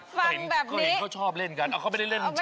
ฟังแบบนี้ก็เห็นเขาชอบเล่นกันเอาเขาไม่ได้เล่นชาปเหรอ